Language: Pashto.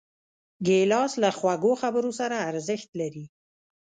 ګیلاس له خوږو خبرو سره ارزښت لري.